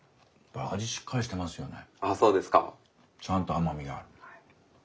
あそうですか。ちゃんと甘みがある。